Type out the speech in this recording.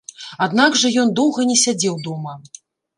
Аднак жа ён доўга не сядзеў дома.